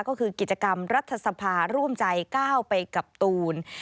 ก็คือกิจกรรมรัฐสภาร่วมใจก้าวไปกับตูน